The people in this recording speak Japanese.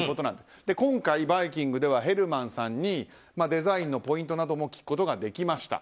今回、「バイキング」ではヘルマンさんにデザインのポイントなども聞くことができました。